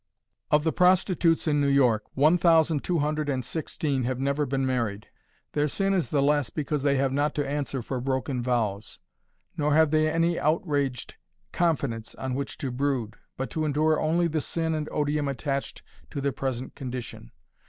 Of the prostitutes in New York, one thousand two hundred and sixteen have never been married. Their sin is the less because they have not to answer for broken vows, nor have they any outraged confidence on which to brood, but to endure only the sin and odium attached to their present condition.